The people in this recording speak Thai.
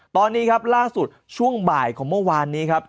ตอนนี้ครับล่าสุดช่วงบ่ายของเมื่อวานนี้ครับ